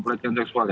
pelatihan seksual ya